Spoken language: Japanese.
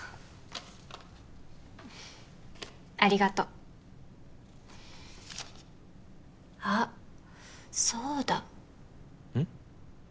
ありがとうあっそうだうん？